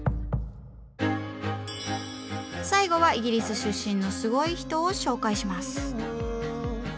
最後はイギリス出身のすごい人を紹介します。